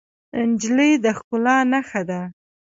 نجلۍ د ښکلا نښه ده.